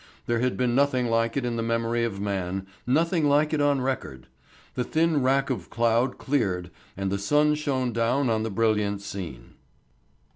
There had been nothing like it in the memory of man, nothing like it on record. The thin wrack of cloud cleared and the sun shone down on the brilliant scene.